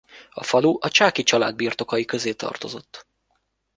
A falu a Csáky család birtokai közé tartozott.